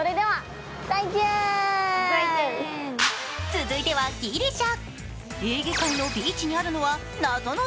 続いてはギリシャ。